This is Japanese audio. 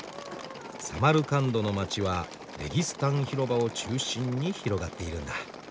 サマルカンドの街は「レギスタン広場」を中心に広がっているんだ。